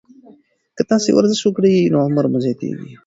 که تاسي ورزش وکړئ، نو عمر مو زیاتیږي.